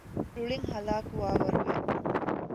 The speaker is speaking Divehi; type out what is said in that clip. ރުޅިން ހަލާކުވާވަރު ވެ